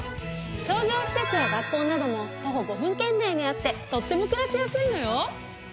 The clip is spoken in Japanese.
商業施設や学校なども徒歩５分圏内にあってとっても暮らしやすいのよ！